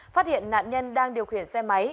phát hiện nạn nhân đang điều khiển xe máy